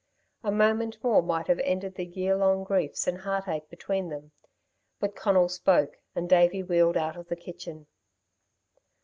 A moment more might have ended the year long griefs and heartache between them. But Conal spoke, and Davey wheeled out of the kitchen.